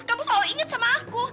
kamu selalu inget sama aku